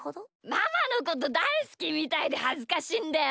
ママのことだいすきみたいではずかしいんだよ。